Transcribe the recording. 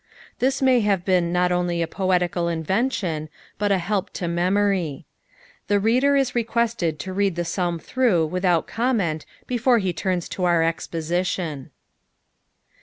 This may have been not only a pottical inL'cnlion, but a hdp to memory. Th» reader is rrqursled (a read Ihe Psalm Ihivvgh without oomment befora he ttatu to oitr exposition.